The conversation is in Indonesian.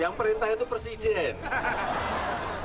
yang perintah itu presiden